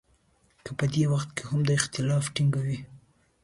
که په دې وخت کې هم دا اختلاف ټینګوي.